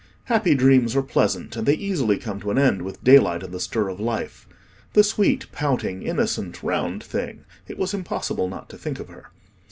Happy dreams are pleasant, and they easily come to an end with daylight and the stir of life. The sweet, pouting, innocent, round thing! It was impossible not to think of her.